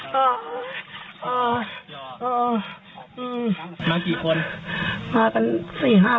ทุกคนผู้ที่รู้ด้วยถึงเราเป็นลูกไข่ไม่เป็นยาก